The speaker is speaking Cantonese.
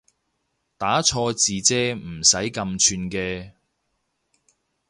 打錯字啫唔使咁串嘅